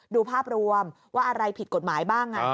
ดูภาพรวมว่าอะไรผิดกฎหมายบ้าง